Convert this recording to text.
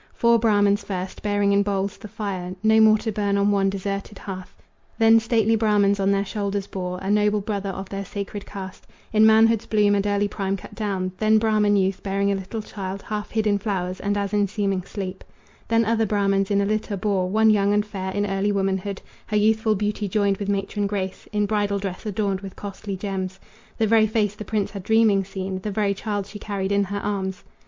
Four Brahmans first, bearing in bowls the fire No more to burn on one deserted hearth, Then stately Brahmans on their shoulders bore A noble brother of their sacred caste, In manhood's bloom and early prime cut down. Then Brahman youth, bearing a little child Half hid in flowers, and as in seeming sleep. Then other Brahmans in a litter bore One young and fair, in early womanhood, Her youthful beauty joined with matron grace, In bridal dress adorned with costly gems The very face the prince had dreaming seen, The very child she carried in her arms.